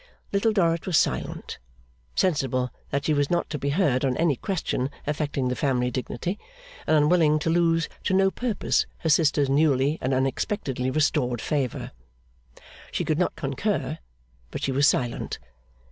Little Dorrit was silent; sensible that she was not to be heard on any question affecting the family dignity, and unwilling to lose to no purpose her sister's newly and unexpectedly restored favour. She could not concur, but she was silent.